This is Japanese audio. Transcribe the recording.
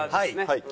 はい。